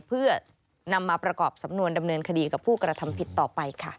เพื่อนำมาประกอบสำนวนดำเนินคดีกับผู้กระทำผิดต่อไปค่ะ